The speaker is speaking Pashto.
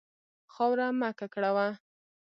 خاوره مه ککړوه.